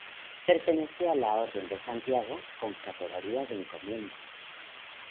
Perteneció a la Orden de Santiago con categoría de Encomienda.